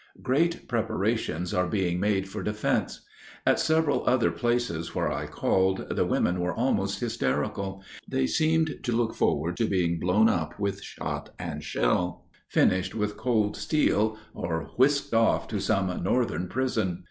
Great preparations are being made for defense. At several other places where I called the women were almost hysterical. They seemed to look forward to being blown up with shot and shell, finished with cold steel, or whisked off to some Northern prison.